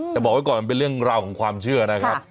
แต่บอกไว้ก่อนมันเป็นเรื่องราวของความเชื่อนะครับ